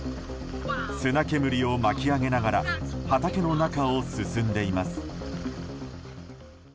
砂煙を巻き上げながら畑の中を進んでいます。